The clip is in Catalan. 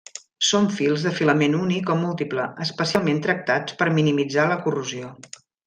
Són fils de filament únic o múltiple, especialment tractats per minimitzar la corrosió.